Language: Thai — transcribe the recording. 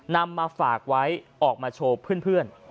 นำมาฝากไว้ออกมาโชว์เพื่อน